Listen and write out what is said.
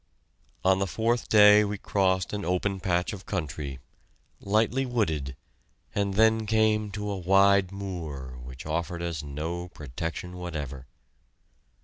On the fourth day we crossed an open patch of country, lightly wooded, and then came to a wide moor which offered us no protection whatever.